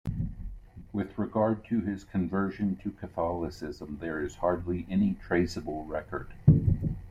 With regard to his conversion to Catholicism there is hardly any traceable record.